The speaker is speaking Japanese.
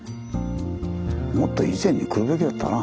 もっと以前に来るべきだったな。